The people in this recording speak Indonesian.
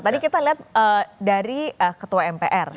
tadi kita lihat dari ketua mpr